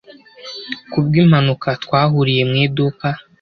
Ku bw'impanuka twahuriye mu iduka